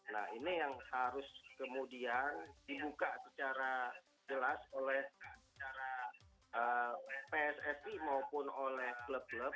nah ini yang harus kemudian dibuka secara jelas oleh pssi maupun oleh klub klub